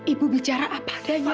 ibu bicara apa adanya